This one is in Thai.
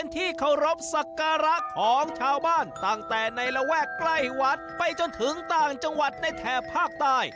ต่างแต่ในระแวกใกล้วัดไปจนถึงต่างจังหวัดในแถบภาคใต้